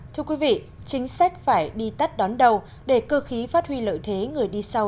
thưa quý vị chính sách phải đi tắt đón đầu để cơ khí phát huy lợi thế người đi sau